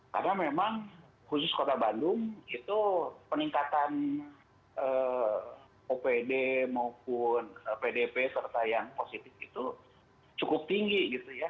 karena memang khusus kota bandung itu peningkatan opd maupun pdp serta yang positif itu cukup tinggi gitu ya